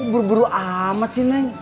buru buru amat sih neng